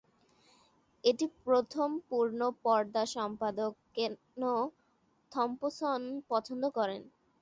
এটি প্রথম পূর্ণ পর্দা সম্পাদক কেন থম্পসন পছন্দ করেন।